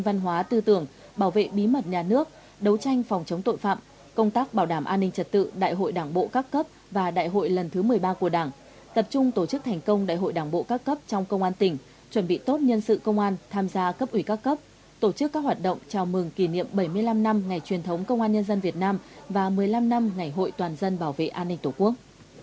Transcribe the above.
văn hóa tư tưởng bảo vệ bí mật nhà nước đấu tranh phòng chống tội phạm công tác bảo đảm an ninh trật tự đại hội đảng bộ các cấp và đại hội lần thứ một mươi ba của đảng tập trung tổ chức thành công đại hội đảng bộ các cấp trong công an tỉnh chuẩn bị tốt nhân sự công an tham gia cấp ủy các cấp tổ chức các hoạt động chào mừng kỷ niệm bảy mươi năm năm ngày truyền thống công an nhân dân việt nam và một mươi năm năm ngày hội toàn dân bảo vệ an ninh tổ quốc